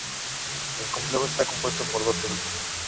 El complejo está compuesto por dos templos.